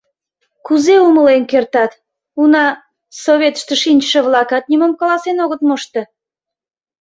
— Кузе умылен кертат, уна, советыште шинчыше-влакат нимом каласен огыт мошто.